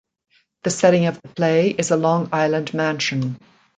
The setting of the play is a Long Island mansion.